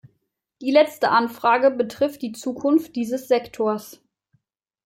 Die letzte Anfrage betrifft die Zukunft dieses Sektors.